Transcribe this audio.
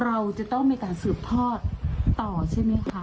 เราจะต้องมีการสืบทอดต่อใช่ไหมคะ